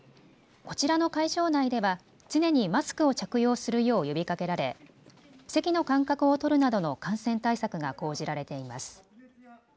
こちらの会場内では常にマスクを着用するよう呼びかけられ席の間隔を取るなどの感染対策が講じられています。